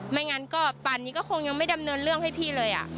ไม่งั้นก็ป่านนี้ก็คงยังไม่ดำเนินเรื่องให้พี่เลย